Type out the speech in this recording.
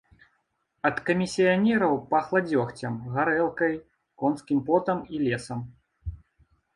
Ад камісіянераў пахла дзёгцем, гарэлкай, конскім потам і лесам.